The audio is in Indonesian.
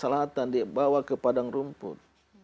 dia dia bawa ke padang rumput